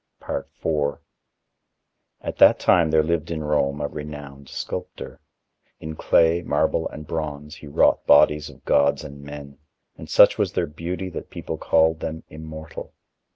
IV At that time there lived in Rome a renowned sculptor. In clay, marble, and bronze he wrought bodies of gods and men, and such was their beauty, that people called them immortal.